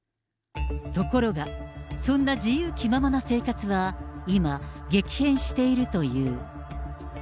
ところが、そんな自由気ままな生活は今、激変しているという。